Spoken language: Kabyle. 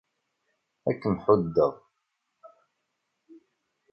Ad kem-ḥuddeɣ.